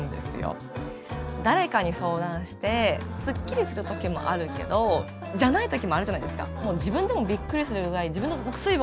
私は誰かに相談してすっきりする時もあるけどじゃない時もあるじゃないですか。